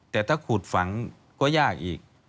แต่ถ้าขูดฝังก็ยากอีก